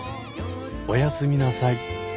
おやすみなさい。